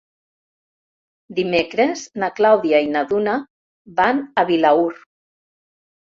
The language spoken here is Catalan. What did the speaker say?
Dimecres na Clàudia i na Duna van a Vilaür.